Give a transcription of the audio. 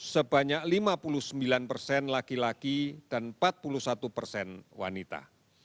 sebanyak lima puluh sembilan persen laki laki dan empat puluh satu persen wanita